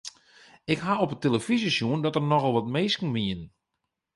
Ik haw op 'e telefyzje sjoen dat der nochal wat minsken wiene.